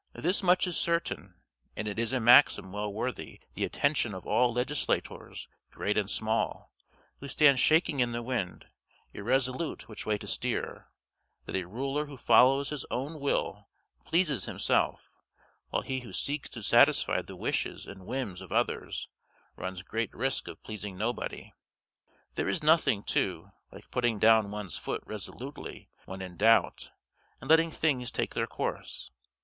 This much is certain, and it is a maxim well worthy the attention of all legislators great and small, who stand shaking in the wind, irresolute which way to steer, that a ruler who follows his own will pleases himself, while he who seeks to satisfy the wishes and whims of others runs great risk of pleasing nobody. There is nothing, too, like putting down one's foot resolutely when in doubt, and letting things take their course.